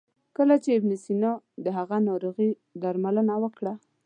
کله چې ابن سینا د هغه ناروغي درملنه وکړه.